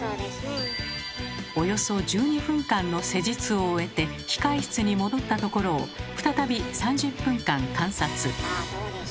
およそ１２分間の施術を終えて控え室に戻ったところを再び３０分間観察。